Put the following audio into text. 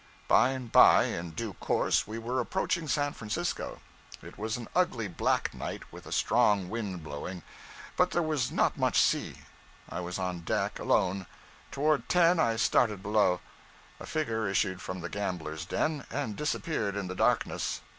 By and bye, in due course, we were approaching San Francisco. It was an ugly black night, with a strong wind blowing, but there was not much sea. I was on deck, alone. Toward ten I started below. A figure issued from the gamblers' den, and disappeared in the darkness.